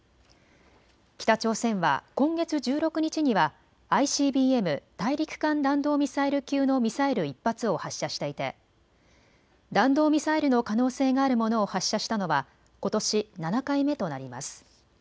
北朝鮮は今月１６日にはＩＣＢＭ・大陸間弾道ミサイル級のミサイル１発を発射していて弾道ミサイルの可能性があるものを発射したのはことし７回目となります。